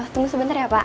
tunggu sebentar ya pak